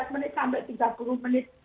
tiga belas menit sampai tiga puluh menit